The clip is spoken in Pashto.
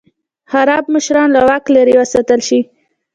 خراب مشران له واکه لرې وساتل شي.